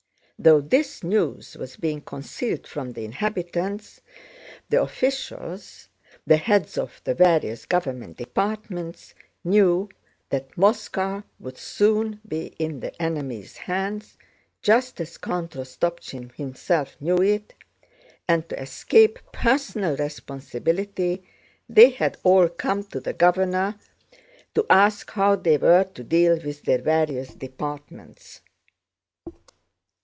Though this news was being concealed from the inhabitants, the officials—the heads of the various government departments—knew that Moscow would soon be in the enemy's hands, just as Count Rostopchín himself knew it, and to escape personal responsibility they had all come to the governor to ask how they were to deal with their various departments.